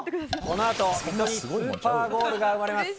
このあと水戸にスーパーゴールが生まれます。